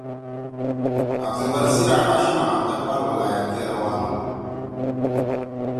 اکتوبر سی آٹھاشَما اقبال ولائت کے روان ہُو